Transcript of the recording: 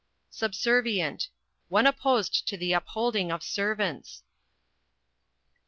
Subservient One opposed to the upholding of servants.